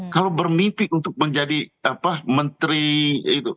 kalau bermimpi untuk menjadi apa menteri itu